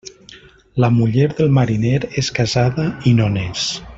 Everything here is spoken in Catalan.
La muller del mariner és casada i no n'és.